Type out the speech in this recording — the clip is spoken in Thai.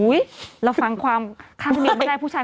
อุ๊ยเราฟังความค่าคุณก็ไม่ได้พูดชาย